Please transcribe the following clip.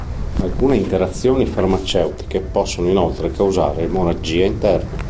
Alcune interazioni farmaceutiche possono inoltre causare emorragia interna.